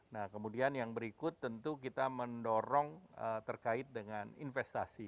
nah kemudian yang berikut tentu kita mendorong terkait dengan investasi